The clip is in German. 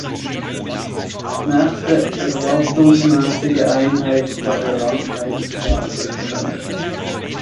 Nächste verwaltungsmäßige Einheit war der Landkreis Saarbrücken.